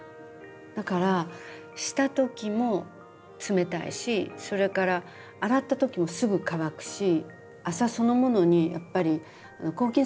だからしたときも冷たいしそれから洗ったときもすぐ乾くし麻そのものにやっぱり抗菌作用があるんですよ。